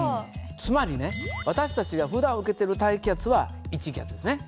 つまりね私たちがふだん受けてる大気圧は１気圧ですね。